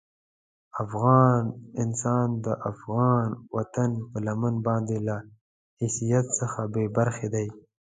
افغان انسان د افغان وطن پر لمن باندې له حیثیت څخه بې برخې دي.